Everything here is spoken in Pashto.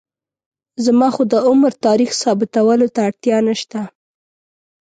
زما خو د عمر تاریخ ثابتولو ته اړتیا نشته.